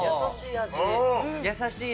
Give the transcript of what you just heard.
優しい！